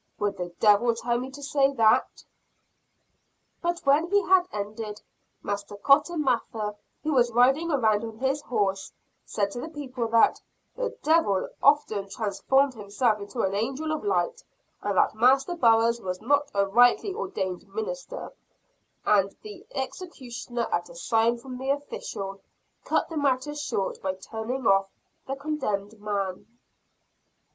Would the Devil tell me to say that?" But when he had ended, Master Cotton Mather, who was riding around on his horse, said to the people that "the Devil often transformed himself into an angel of light; and that Master Burroughs was not a rightly ordained minister;" and the executioner at a sign from the official, cut the matter short by turning off the condemned man.